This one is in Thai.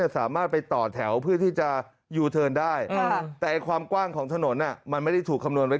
สามารถไปต่อแถวเพื่อที่จะยูเทิร์นได้แต่ความกว้างของถนนมันไม่ได้ถูกคำนวณไว้